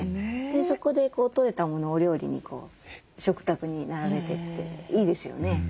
そこで採れたものをお料理に食卓に並べてっていいですよね。